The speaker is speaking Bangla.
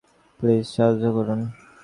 প্লিজ, সাহায্য করুন।